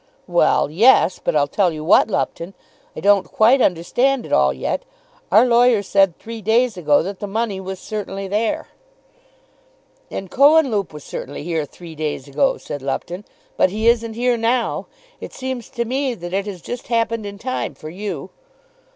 "Well, yes. But I'll tell you what, Lupton. I don't quite understand it all yet. Our lawyer said three days ago that the money was certainly there." "And Cohenlupe was certainly here three days ago," said Lupton; "but he isn't here now. It seems to me that it has just happened in time for you."